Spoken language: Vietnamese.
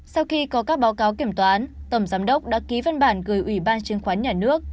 sau khi có các báo cáo kiểm toán tổng giám đốc đã ký văn bản gửi ủy ban chứng khoán nhà nước